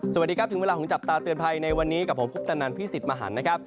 สวัสดีครับถึงเวลาของจับตาเตือนภัยในวันนี้กับผมคุปตนันพี่สิทธิ์มหันนะครับ